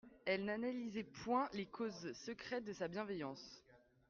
Elle n'analysait point les causes secrètes de sa bienveillance.